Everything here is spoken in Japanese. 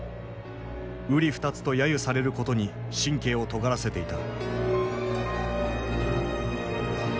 うり二つと揶揄されることに神経をとがらせていた。